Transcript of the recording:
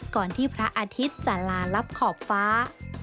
ก่อนที่พระอาทิตย์จะลาลับขอบฟ้า